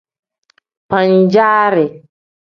Pan-jaari.